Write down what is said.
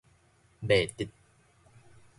袂得